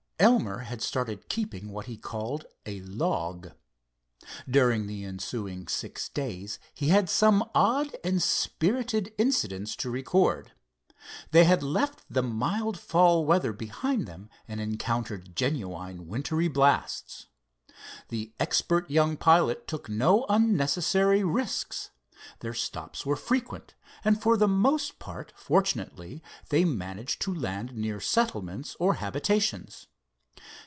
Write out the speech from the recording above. Elmer had started keeping what he called a "log." During the ensuing six days he had some odd and spirited incidents to record. They had left the mild fall weather behind them and encountered genuine wintry blasts. The expert young pilot took no unnecessary risks. Their stops were frequent, and for the most part fortunately they managed to land near settlements or habitations.